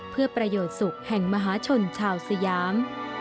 เพื่อประโยชน์สุขแห่งมหาชนชาวสยาม